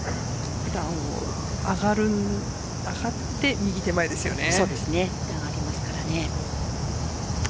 段を上がって右手前ですよね。